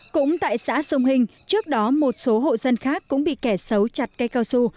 cũng tại xã sông hình trước đó một số hộ dân khác cũng bị kẻ xấu chặt cây cao su